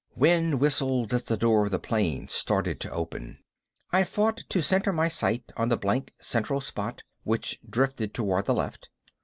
Wind whistled as the door of the plane started to open. I fought to center my sight on the blank central spot, which drifted toward the left.